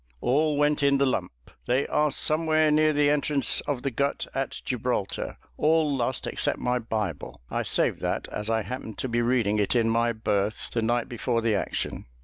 "All went in the lump. They are somewhere near the entrance of the Gut of Gibraltar all lost except my Bible: I saved that, as I happened to be reading it in my berth the night before the action!"